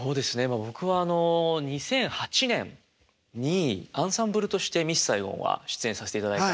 僕はあの２００８年にアンサンブルとして「ミスサイゴン」は出演させていただいたんですよ。